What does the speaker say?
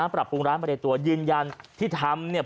ปรับปรุงร้านมาในตัวยืนยันที่ทำเนี่ย